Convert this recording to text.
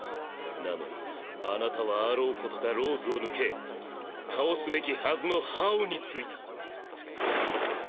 なのにあなたはあろうことかＬＡＷＳを抜け倒すべきはずの葉王についた。